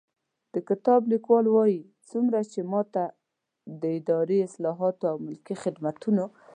د کتاب لیکوال وايي، څومره چې ما ته د اداري اصلاحاتو او ملکي خدمتونو